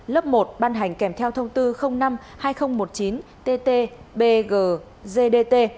lớp một ban hành kèm theo thông tư năm hai nghìn một mươi chín tt bg gdt